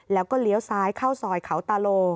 แล้วก็เลี้ยวซ้ายเข้าซอยเขาตาโล